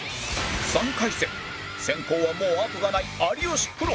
３回戦先攻はもう後がない有吉プロ